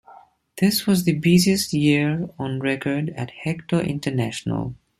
This was the third busiest year on record at Hector International.